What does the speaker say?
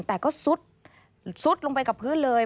แต่ก็ซุดลงไปกับพื้นเลย